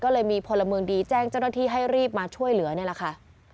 ก็เลยมีพลเมืองดีแจ้งเจ้าหน้าที่ให้รีบมาช่วยเหลือนี่แหละค่ะ